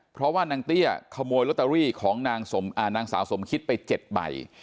เพราะว่านางเตี้ยขโมยลอตเตอรี่ของนางสาวสมคิดไป๗ใบ